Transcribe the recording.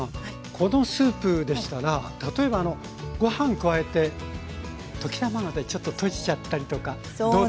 このスープでしたら例えばご飯加えて溶き卵でちょっととじちゃったりとかどうでしょうクッパ風に。